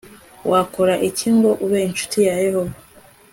wakora iki ngo ube incuti ya yehova